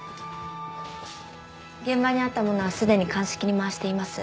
現場にあったものはすでに鑑識に回しています。